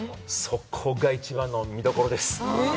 そこが一番の見所です。